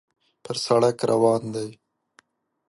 پر سړک روان دی.